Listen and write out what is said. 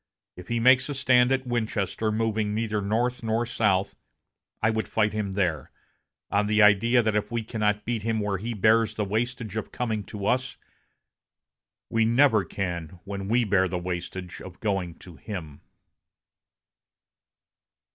If he makes a stand at Winchester, moving neither north nor south, I would fight him there, on the idea that if we cannot beat him when he bears the wastage of coming to us, we never can when we bear the wastage of going to him."